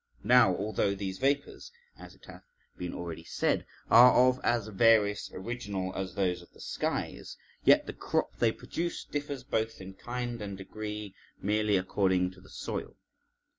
Now although these vapours (as it hath been already said) are of as various original as those of the skies, yet the crop they produce differs both in kind and degree, merely according to the soil.